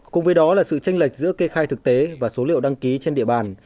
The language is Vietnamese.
cùng với đó là sự tranh lệch giữa kê khai thực tế và số liệu đăng ký trên địa bàn